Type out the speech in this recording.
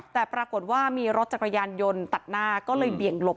แต่ปรากฏว่ามีรถจักรยานยนต์ตัดหน้าก็เลยเบี่ยงหลบ